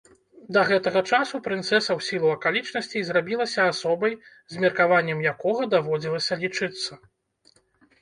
Да гэтага часу прынцэса ў сілу акалічнасцей зрабілася асобай, з меркаваннем якога даводзілася лічыцца.